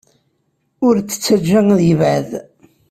Ur t-ttajja ad yebɛed.